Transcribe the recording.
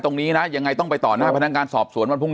ตรงนี้นะยังไงต้องไปต่อหน้าพนักงานสอบสวนวันพรุ่ง